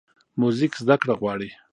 موزیک زدهکړه غواړي.